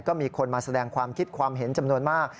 ก็มีคนมาแสดงความคิดความเห็นจำนวนมาก